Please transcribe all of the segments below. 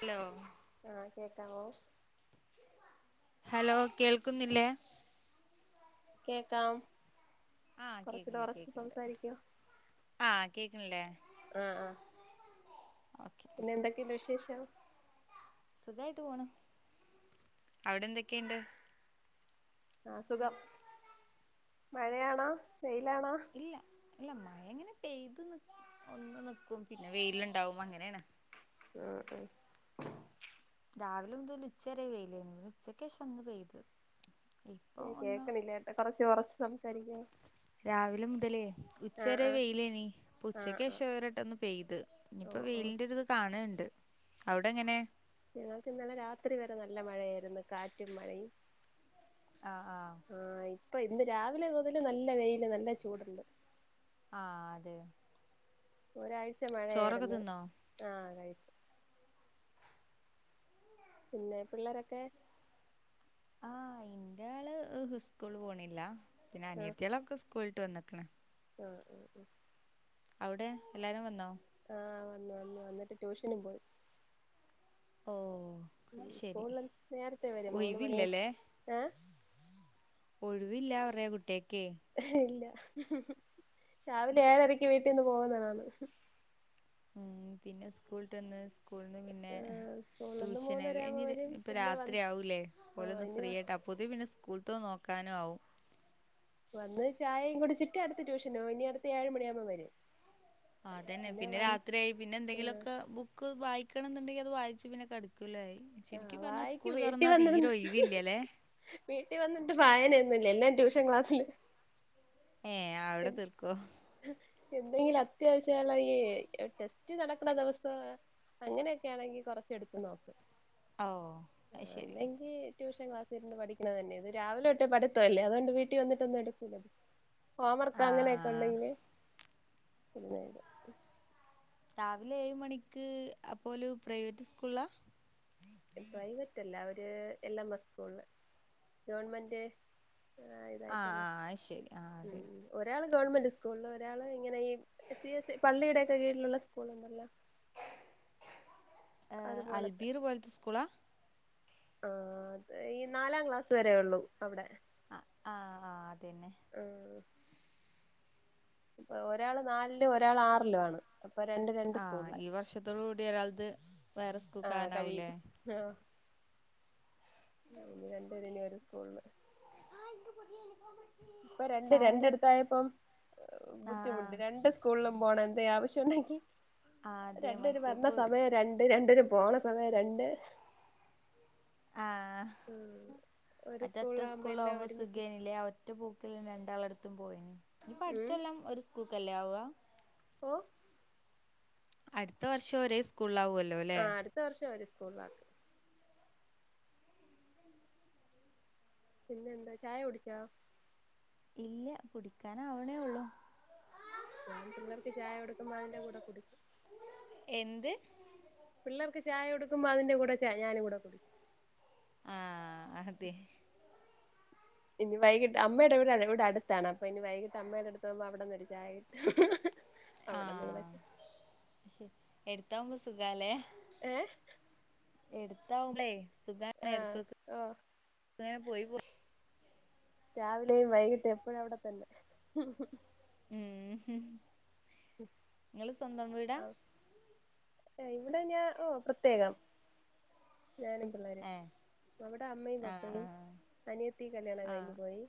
Hello ആ കേക്കാവോ? Hello കേൾക്കുന്നില്ലേ? കേക്കാം കൊറച്ചൂടൊറച്ച് സംസാരിക്ക്യേ? ആ കേക്ക്നില്ലേ? പിന്നെന്തൊക്കെയിണ്ട് വിശേഷം. സുഖായിട്ട് പോണ്, അവിടെന്തൊക്കേണ്ട്. ആ സുഖം, മഴയാണോ? വെയിലാണോ? ഇല്ല ഇല്ല മഴങ്ങനെ പെയ്ത് നി ഒന്ന് നിക്കും പിന്നെ വെയില്ണ്ടാവും അങ്ങനേണ്. ആ ആ. രാവിലോതൽ ഉച്ചരെ വെയിലേന് പിന്നെ ഉച്ചക്കേഷൊന്ന് പെയ്ത്. ഏ ഇപ്പം ഒന്ന് കേക്കണില്ലേട്ട കൊറച്ച് ഒറച്ച് സംസാരിക്കോ രാവിലെ മുതലേ.. ആഹ് ഉച്ചരെ ആഹ് വെയിലേനി ഇപ്പൊ ആഹ് ആഹ് ഉച്ചക്കഷോ ഒരട്ടൊന്ന് പെയ്ത് ഇനിപ്പോ ഓഹ് ഓഹ് വെയിലിന്റെ ഒരു ഇത് കാണ് ഇണ്ട് അവടെങ്ങനെ? ഞങ്ങൾക്ക് ഇന്നലെ രാത്രി വരെ നല്ല മഴയായിര്ന്ന്, കാറ്റും മഴയും. ആ ആ. ആഹ് ഇപ്പൊ ഇന്ന് രാവിലെ മൊതല് നല്ല വെയില് നല്ല ചൂടൊണ്ട്. ആ അതെ. ഒരാഴ്ച ചോറൊക്കെ മഴയായിര്ന്ന്, തിന്നോ ആ കഴി പിന്നേ പിള്ളേരൊക്കെ ആ ഇന്റെയാള് സ്കൂൾ പോണില്ല, പിന്നെ അനിയത്ത്യേളൊക്കെ സ്കൂൾ ട്ട് വന്നക്ക്ണ്. ആ ആ. അവ്ടെ എല്ലാരും വന്നോ? ആ വന്ന് വന്ന് വന്നിട്ട് ട്യൂഷന് പോയി. ഓ. ശരി ഉസ്കൂൾല് നേരത്തെേ വെരും മൂന്ന് മണി ഒഴിവില്ലല്ലേ ഏ ഒഴിവില്ല പറ കുട്ടിയാക്ക് ഇല്ല രാവിലെ ഏഴരക്ക് വീട്ടിൽ നിന്ന് പോകുന്നതാണ് ഉം പിന്നെ സ്കൂൾ വിട്ട് വന്നു സ്കൂളിൽ നിന്ന് പിന്നെ ഏഹ് സ്കൂളിന്ന് ട്യൂഷൻ മൂന്നരയാവുമ്പോ കഴിഞ് വരും ഇപ്പം പിന്നെ വന്ന് രാത്രിയാവില്ലേ ആഹ് ഓലൊന്ന് ഇനി ഫ്രീയായിട്ട് അപ്പോ അപ്പോഴത്തിന് പിന്നെ സ്കൂൾത്തെ നോക്കാനും ആവും വന്ന് ചായയും കുടിച്ചിട്ട് അടുത്ത് ട്യൂഷനോ ഇനി അടുത്ത ഏഴു മണിയാവുമ്പോ വരും ആ അതന്നെ പിന്നെ രാത്രിയായി പിന്നെ എന്തെങ്കിലുമൊക്കെ ബുക്ക് വായിക്കണം എന്നുണ്ടെങ്കിൽ അത് വായിച്ച് പിന്നെ കിടക്കു. ല ശെരിക്ക് ആഹ് പറഞ്ഞ വായക്ക് സ്കൂള് തുറന്നാ തീരെ ഒഴിവില്ലല്ലേ? വീട്ടിൽ വന്നിട്ട് വായന ഒന്നുമില്ല എല്ലാം ട്യൂഷൻ ക്ലാസ്സില് ഏ അവിടെ തീർക്കൊ എന്തെങ്കിലും അത്യാവശ്യല്ല ഈ ടെസ്റ്റ് നടക്കണ ദിവസ അങ്ങനെയൊക്കൊണെങ്കി കൊറച്ച് എടുത്ത് നോക്കും ഓ അത് ശരി. അല്ലെങ്കിൽ ട്യൂഷൻ ക്ലാസ് ഇരുന്ന് പഠിക്കണ തന്നെ ഇത് രാവിലെ ഒട്ടെ പഠത്ത അല്ലേ അതുകൊണ്ട് വീട്ടിൽ വന്നട്ടൊന്ന എടുക്കൂല ഹോം വർക്ക് ആഹ് അങ്ങനെയൊക്കെ ആഹ്. ഉണ്ടെങ്കില് പിന്നെ രാവിലെ ഏഴ് മണിക്ക് അപ്പോ ഓല് പ്രൈവറ്റ് സ്കൂളാ പ്രൈവറ്റ് അല്ല അവര് എൽ എം എസ് സ്കൂളില് ഗവണ്മെന്റ് ആ ആഹ് ഇതായിട്ടുള്ള ആഹ് അത് ശരി. ആഹ് അതെ. ഉം ഒരാൾ ഗവൺമെന്റ് സ്കൂളിൽ ഒരാൾ ഇങ്ങനെ ഈ പള്ളിയുടെയോക്കെ കീഴിലുള്ള സ്കൂൾ ഉണ്ടല്ലോ അൽബീർ പോലത്തെ സ്കൂളാ ആ അ ഈ നാലാം ക്ലാസ് വരേ ഉള്ളൂ അവിടെ ആ ആഹ് ആ് അതന്നെ ആഹ ഇപ്പൊ ഒരാള് നാലിലും ഒരാൾ ആറിലു ആണ് രണ്ട് രണ്ട് ആഹ ഈ സ്കൂളിലായി വർഷത്തോട് കൂടി ഒരാൾത് വേറെ സ്കൂൾക്ക് ആഹ് കഴിയും ആകാനാവൂല്ലേ ആഹ് ഇനി രണ്ടത് ഇനി ഒരു സ്കൂളില് [unintelligible] ഇപ്പൊ രണ്ട് ചായുടിയൊക്കെ രണ്ടടുത്തായപ്പം ആഹ് ബുദ്ധിമുട്ട് ആഹ് രണ്ട് സ്കൂളിലും പോണം എന്ത ആവശ്യ ണ്ടങ്ക ആഹ് അതെ രണ്ടെരു വരണ മറ്റേപ്പോ സമയം രണ്ട് രണ്ടര പോണ സമയം രണ്ട് ആ ഉം ഒരു മറ്റേറ്റ സ്കൂളിലാകുമ്പോ സ്കൂളിൽ എല്ലാം ആകുമ്പോ ഒരുമിച്ച് സുഖാനെല്ലേ ഒറ്റ പോക്കിൽ രണ്ട് ഒളടുത്തും പോയിന് ഇപ്പ അടുത്ത ഉം എല്ലാം ഒരു സ്കൂക്കല്ലേ ആവ ഓ അടുത്ത വർഷം ഒരേ സ്കൂള ആവോല്ലേ ആഹ അടുത്ത വർഷം അവര് സ്കൂളില ആക്ക് പിന്നെന്താ ചായ കുടിച്ചോ ഇല്ല കുടിക്കാനാവണേ ഉള്ളൂ ഞാൻ പിള്ളേർക്ക് ചായ എടുക്കുമ്പോ അതിന്റെ കൂടെ കുടിക്കും ന്ത്‌ പിള്ളേർക്ക് ചായ കൊടുക്കുമ്പോ അതിന്റെ കൂടെ ച ഞാനും കൂടെ കുടിക്കും ആ അതെ ഇനി വൈകിട്ട് അമ്മയുടെ ഇവിടെ ഇവിടെ അടുത്താണ് അപ്പൊ ഇനി വൈകിട്ട് അമ്മയുടെ അടുത്ത് പോകുമ്പോ അവിടെന്നൊരു ചായ കിട്ടും അവിട നിങ്ങളൊക്കെ ശെ എടുത്താവുമ്പോ സുഖാലേ ഏ എടുത്താവുമ്പോ സുഖ ആ എടുക്ക ഓ സുഖ പോയി പോ രാവിലെയും വൈകിട്ടും എപ്പഴ അവിടെത്തന്നെ ഉം നിങ്ങ സ്വന്തം വീടാ ഇവിടെ ഞാൻ ഓ പ്രത്യേകം ഞാനും പിള്ളേര് ഏ അവിടെ അമ്മയും ആ പപ്പയും അനിയത്തി കല്യാണം കഴിഞ്ഞു പോയി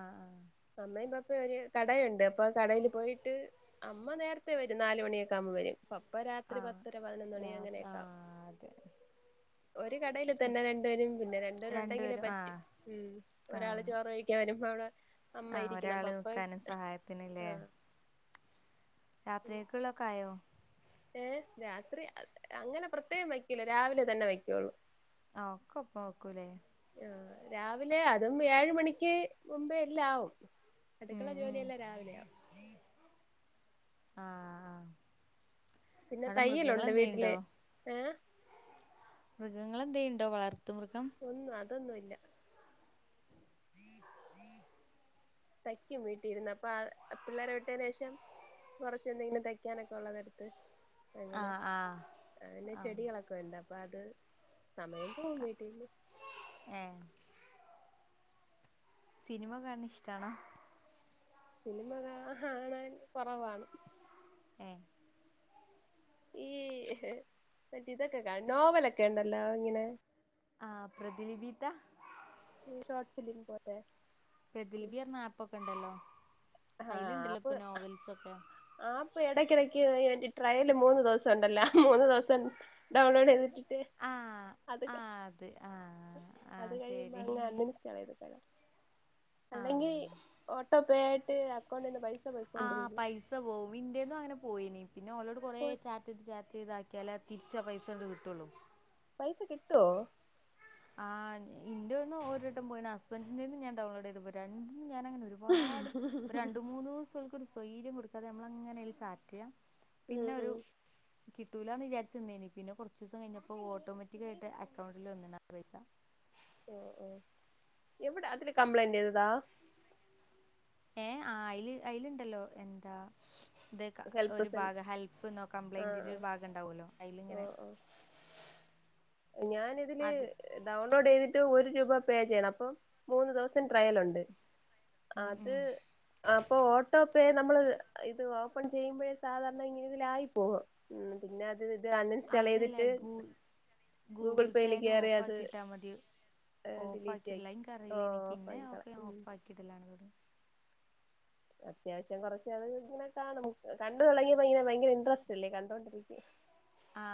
ആഹ ആഹ് അമ്മയും പപ്പ യും ഒര് കടയുണ്ട് അപ്പൊ കടെൽ പോയിട്ട് അമ്മ നേരത്തെ വരും നാലുമണിയൊക്കെ ആകുമ്പോ വരും പപ്പ അപ്പ ആ രാത്രി ആ ആ പത്തര പതിനൊന്ന് മണി രാത്രി ആ അങ്ങനെയൊക്കാവും. അതെ ഒരു കടയില് തന്നെ രണ്ടുപേരും. പിന്നെ രണ്ടുപേരുണ്ടെങ്കിലേ രണ്ടുപേരും ആ പറ്റൂ. ഉം ആ ഒരാള് ചോറ് കഴിക്കാൻ വരുമ്പോ അവിടെ അമ്മ ആ ഇരിക്കണം ഒരാള് പപ്പ നിക്കാനും സഹായത്തിനില്ലേ. ആ രാത്രിയേക്കുള്ളക്കെ ആയോ ഏ രാത്രി അ അങ്ങനെ പ്രത്യേകം വയ്ക്കൂലാ രാവിലെ തന്നെ വയ്ക്കുള്ളൂ ആ ഒക്കപ്പോ വെക്കൂലേ രാവിലെ അതും ഏഴ് മണിക്ക് മുമ്പേ എല്ലാം ആവും. അടുക്കള ഉം ഉം ജോലിയെല്ലാം രാവിലെയാ. ആ ആ പിന്നെ അവിടെ തയ്യലുണ്ട് വീട്ടില് മൃഗങ്ങളെന്തേണ്ടോ? ഏഹ് മൃഗങ്ങളെന്തേണ്ടോ, വളർത്തു മൃഗം? അതൊന്നൂല്ല തയ്ക്കും വീട്ടിരുന്ന്. അപ്പം ആ പിള്ളേരെ വിട്ടേന് ശേഷം കൊറച്ച് എന്തെങ്കിലും തയ്ക്കാനൊക്കെള്ളതെടുത്ത് ആ അങ്ങനെ. ആ ആ പിന്നെ ചെടികളൊക്കെ ഒണ്ട് അപ്പ അത് സമയം പോകും വീട്ടീരുന്ന്. ഏ സിനിമ കാണണ ഇഷ്ടാണോ? സിനിമ കാ കാണാൻ കൊറവാണ്. ഏ ഈ മറ്റേ ഇതൊക്കെ കാൺ നോവലൊക്കെ ണ്ടല്ലോ ഇങ്ങനെ ആ പ്രതിലിപീത്ത ഉം ഷോട്ട് ഫിലിം പോലെ. പ്രതിലിപി പറഞ്ഞ ആപ്പൊക്കെ ഇണ്ടല്ലോ. ആഹ് അയിലുണ്ടല്ലോ ആപ്പ് ഇപ്പൊ നോവൽസൊക്കെ. ആപ്പ് എടയ്ക്കെടക്ക് ഏൻ്റ് ട്രയല് മൂന്ന് ദിവസം ഉണ്ടല്ല. ആ മൂന്ന് ദിവസം ഡൗൺലോഡ് ചെയ്തിട്ട് ടെ ആഹ് അത് ആഹ് അത് ആഹ് അത് ആഹ് കഴിയുമ്പ ശരി അങ്ങ് അൺഇൻസ്റ്റാള് ചെയ്തിട്ടെ [unintelligible] അല്ലെങ്കി ആഹ് ഓട്ടോപേ ആയിട്ട് അക്കൗണ്ടിന്ന് പൈസ ആ പോയിക്കൊണ്ടിരിക്കും പൈസ പോവും. ഇന്റേന്നും അങ്ങനെ പോയിനി. പിന്നെ ഓളോട് കൊറേ ചാറ്റ് ചെയ്ത് ചാറ്റ് ചെയ്താ ക്കെല തിരിച്ചോ പൈസാണ്ട് കിട്ടുള്ളൂ പൈസ കിട്ട്വോ? ആ ഇൻ്റെ ഒന്ന് ഒരുവട്ടം പോയീണ്. ഹസ്ബന്റിൻ്റേന്ന് ഞാൻ ഡൗൺലോഡ് ചെയ്തിപ്പോ രണ്ട് ഞാനങ്ങനെ ഒരുപാട് ഒരു രണ്ടു മൂന്നൂസോക്കെ ഒരു സ്വൈര്യം കൊടുക്കാതെ നമ്മളങ്ങനെ അയില് ചാറ്റ് ചെയ്യ ഉം പിന്നൊരു ഉം കിട്ടൂല്ലാന്ന് വിചാരിച്ചു നിന്നേനി. പിന്നെ കൊറച്ച് ദീസം കഴിഞ്ഞപ്പോ ഓട്ടോമെറ്റിക്കായിട്ട് അക്കൗണ്ടിൽ വന്നിണ പൈസ ആ ആ. എവിടാ അതില് കംപ്ലൈന്റ് എഴുതാ? ഏ ആ അയില് അയിലുണ്ടല്ലോ. എന്താ ഇതേക്കാ ഹെൽപ്പ് ഒരു സെന്റർ ഭാഗം ഹെൽപ്പന്നോ ആ കംപ്ലൈന്റിന്റെ ആ ഒരു ഭാഗം ണ്ടാവുവല്ലോ അയിലിങ്ങനെ. ഞാൻ ഇതില് അത് ഡൗൺലോഡ് ചെയ്തിട്ട് ഒരു രൂപ പേ ചെയ്യണം. അപ്പം മൂന്ന് ദിവസം ട്രയൽ ഒണ്ട്. ഉം അത് ഉം അപ്പോ ഓട്ടോ പേ. നമ്മളിത് ഇത് ഓപ്പൺ ചെയ്യുമ്പഴേ സാധാരണ ഇങ്ങനെ ഇതിലായി പോകും. ഉം പിന്നെ ഇത് അൺഇൻസ്റ്റാള് അതല്ല ചെയ്തിട്ട് ഗൂ ഗൂഗിൾ പേയിൽ പേയില് കയറി ഓഫ് അത് ആക്കി ഇട്ടാ മതിയോ? ഡിലീറ്റ് ആക്കി ഓഫാക്കിയിട്ടില്ല എൻക് ഓ അറിയില്ലിനി. പിന്നെ ഓഫാക്കി കള ഓക്കെ ഉം ഓഫ് ആക്കീട്ടില്ല ഞാനിതുവരെ. അത്യാവശ്യം കൊറച്ച് നാള് ഇങ്ങനെ കാണും. കണ്ടു തുടങ്ങിയപ്പം ഇങ്ങനെ ഭയങ്കര ഇന്ററസ്റ്റല്ലേ. കണ്ടോണ്ടിരിക്കും. ആ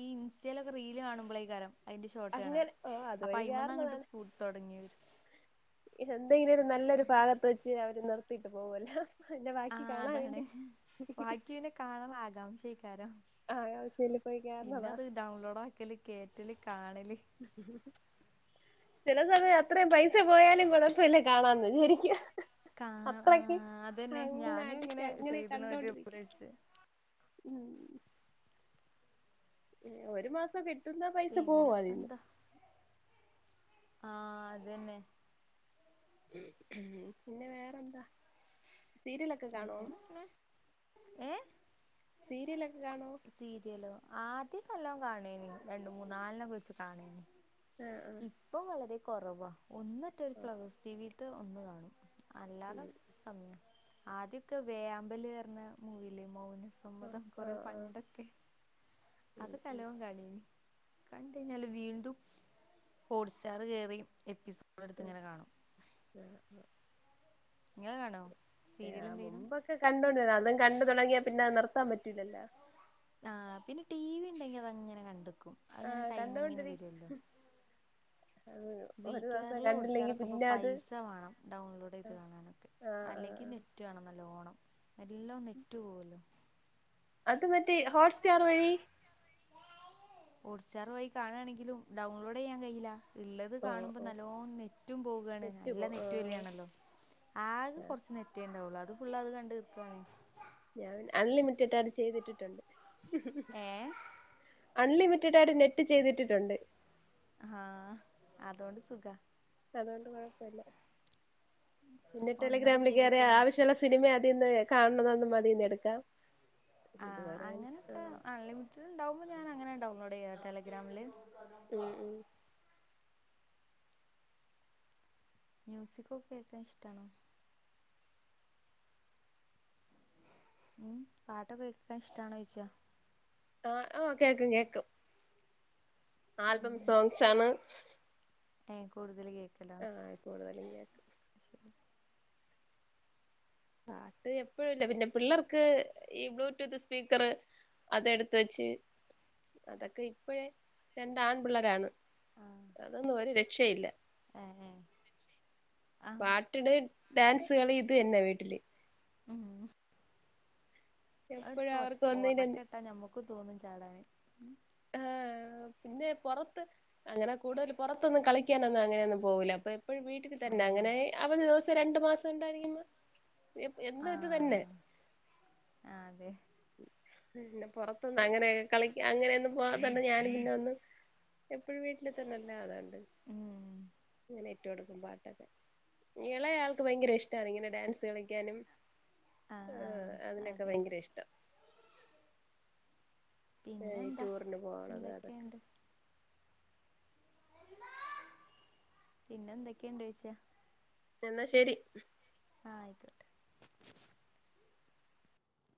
ഈ ഇൻസ്റ്റേലൊക്കെ റീല് കാണുമ്പളാ ഈ കരം അതിന്റെ ഷോട്ട് കാണ്വാ. അങ്ങനെ ഓ അപ്പ അതുവഴി അയിമന്ന് അങ്ങട്ട് പൂ തൊടങ്ങിവരും. ഇത് എന്തെങ്കിലും ഒരു നല്ലൊരു ഭാഗത്ത് വെച്ച് അവര് നിർത്തീട്ട് പോവുവല്ലോ. ആ അതാണ്. വാക്കിപിന്നെ കാണാൻ ള്ള ആകാംക്ഷയാ [unintelligible] ആഹ് ആവശ്യമില്ല പോയി കേറുന്നതാ പിന്നത് ഡൗൺലോഡ് ആക്കല്, കേറ്റല്. കാണല് ചില സമയം അത്രേം പൈസ പോയാലും കുഴപ്പോല്ല കാണാന്ന് വിജാരിക്കും. കാ ആ അത്രക്ക് അതന്നെ അങ്ങ ഞാനും അടിറ്റ ഇങ്ങനെ അങ്ങനെ ചെയ്തണ ഒരു കണ്ടോണ്ടിരിക്കും വിളിച്ച് ഉം ഒരു മാസം കിട്ടുന്ന പൈസ പോവോ പിന്നെപ്പ അതീന്ന്? എന്താ ആ അതന്നെ. പിന്നെ വേറെന്താ സീരിയലൊക്കെ കാണോ വേറെങ്ങനെ ഏ സീരിയലൊക്കെ കാണോ സീരിയലോ ആദ്യകല്ലോം കാണുയ്നി രണ്ട് മൂന്നാലെണ്ണം വെച്ച്കാണേയ്നി ആഹ് ഇപ്പം വളരെ കൊറവാ ഒന്നേറ്റം ആഹ് ഫ്ലവേഴ്സ് ടിവീത്തെ ഒന്ന് കാണും ഉം അല്ലാതെ കമ്മിയാ ആദ്യോക്കെ വേയാമ്പല് പർഞ മൂവില്ലേ മൗന സമ്മതം കൊറേ ആഹ് ആഹ് പണ്ട് ഉം ഉം അതൊക്കല്ലോം കാണേയ്നി കണ്ടെയ്ഞ്ഞാൽ വീണ്ടും ഹോഡ്സ്റ്റാർ കേറി എപ്പിസോ [unintelligible] നിങ്ങൾ കാണോ സീരിയൽ ആ എന്തെങ്കിലും മുമ്പൊക്കെ കണ്ടോണ്ട്ര്ന്നാ പ്പം കണ്ട് തൊടങ്ങിയാ പിന്നെ അത് നിർത്താൻ പറ്റൂലല്ലോ ആ പിന്നെ ടി വി ണ്ടെങ്കി അതങ്ങനെ കണ്ട്ക്കും അങ്ങനെ ആഹ് ടൈമിങ്ങിന് കണ്ടോണ്ടിരി വെരൊല്ലോ വി ഒരു ദിവസം കെയറിലും കണ്ടില്ലെങ്കി ഹോട്ട്സ്റ്റാറൊക്കെ പിന്നെ അത് പൈസ വേണം ഡൗൺലോഡ് ചെയ്ത് കാണാനൊക്കെ ആഹ് ആഹ് അല്ലെങ്കി നെ ആഹ് നെറ്റ് വാണം നല്ലോണം എല്ലോം നെറ്റു പോവല്ലോ ത് മറ്റേ ഹോട്ട്സ്റ്റാർ വഴി ഹോട്ട്സ്റ്റാർ വയി കാണാണെങ്കിലും ഡൗൺലോഡ് ചെയ്യാൻ കയില്ല ള്ളത് ഓഹ് കാണുമ്പോ ഓഹ് നല്ലോം നെറ്റും പോകാണ് നല്ല പോ നെറ്റ് ആഹ് വലിയാണല്ലോ ആകെ ആഹ് കൊറച്ച് നെറ്റേണ്ടാവുള്ളു അത് ഫുള്ള് അത് കണ്ട് തീർക്കാണ് ഞാൻ അൺലിമിറ്റഡ ചെയ്തിട്ടിട്ടുണ്ട് ഏ അൺലിമിറ്റഡായിട്ട് നെറ്റ് ചെയ്തിട്ടിട്ടുണ്ട് ആ അതോണ്ട് സുഖ അതോണ്ട് കൊഴപ്പല്ല പിന്നെ ഒന്നര ടെലിഗ്രാമിൽ ജി കേറിയ ബിക്കൊന്നും ആവശ്യള്ള സിനിമ അതീന്ന് കാണുന്ന മതീന്ന് എടുക്കാം ആ ഇത് വരാൻ ആ ഞാനങ്ങനെ ഡൗൺലോഡ് ചെയ്യാ ടെലഗ്രാമില് ഉം ഉം മ്യൂസിക്കൊക്കെ കേക്കാൻ ഇഷ്ടാണോ ഉം പാട്ടൊക്കെ കേക്കാൻ ഇഷ്ടാണോ ചോയ്ച ആ ആ കേക്കും കേക്കും ആൽബം സോങ്സാണ് എ കൂടുതൽ കേ ആ കൂടുതലും കേക്കും ശരി പാട്ട് എപ്പഴുംല്ല പിന്നെ പിള്ളേർക്ക് ഈ ബ്ലൂടൂത്ത് സ്പീക്കറ് അതെടുത്ത് വെച്ച് അതൊക്കെ ഇപ്പഴേ രണ്ടാൺപിള്ളാരാണ് അതൊന്നും ഒരു രക്ഷയില്ല ആ ആ പാട്ടിട് ഡാൻസ്കളി ഇത് തന്നെ വീട്ടില് ഉം എപ്പഴും അവർക്ക് [unintelligible] ഒന്നിന് ഒറക്കെ ട്ടാ ഞമ്മക്കും തോന്നും ചാടാന് ആ പിന്നെ പൊറത്ത് അങ്ങനെ കൂടുതല് പൊറത്തൊന്നും കളിക്കാനൊന്നും അങ്ങനെയൊന്നും പോകൂല്ല അപ്പ പ്പഴും വീട്ടിൽ തന്നെ ആഹ് അങ്ങനെ അവധി ദിവസം രണ്ടു മാസം ഉണ്ടായിരിക്ക്ന്ന് എ എന്നും ഇത് തന്നെ ആഹ് ആഹ് അതെ പിന്നെ പൊറത്തുന്ന് ശരി അങ്ങനെയൊക്കെ കളിക്ക അങ്ങനെയൊന്നും പോവാത്തൊണ്ട് ഞാന് പിന്നെ ഒന്ന് എപ്പഴും വീട്ടിൽ തന്നെല്ലേ അതാണ്ട് ഉം അങ്ങനെ ട്ടി കൊടുക്കും പാട്ടൊക്കെ ഇയാളെ ആൾക്ക് ഭയങ്കര ഇഷ്ടാണ് ഇങ്ങനെ ഡാൻസ് കളിക്കാനും ആ ആഹ് ആഹ് അതിനൊക്കെ അതെ ഭയങ്കര ഇഷ്ടാ ഏ ഈ പിന്നെന്താ ടൂറിന് പോവണത് അതൊക്കെ എന്തൊക്കെയുണ്ട് പിന്നെ എന്തൊക്കെണ്ട് [unintelligible] എന്നാ ശെരി ആ അയ്ക്കോട്ടെ